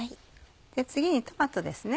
次にトマトですね。